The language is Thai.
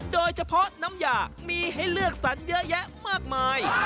โดยเฉพาะน้ำยามีให้เลือกสรรเยอะแยะมากมาย